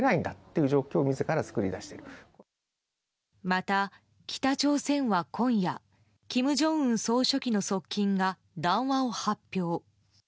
また、北朝鮮は今夜金正恩総書記の側近が談話を発表。